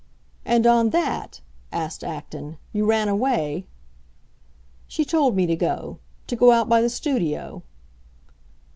"And on that," asked Acton, "you ran away?" "She told me to go—to go out by the studio."